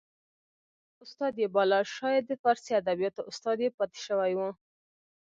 استاد یې باله شاید د فارسي ادبیاتو استاد یې پاته شوی و